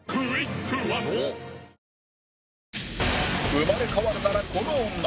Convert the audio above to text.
生まれ変わるならこの女